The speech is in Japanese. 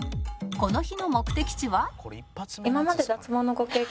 この日の目的地は